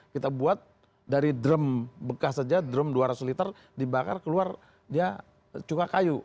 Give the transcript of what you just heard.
kita buat dari drum bekas saja drum dua ratus liter dibakar keluar dia cuka kayu